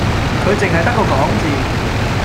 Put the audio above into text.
佢淨係得個講字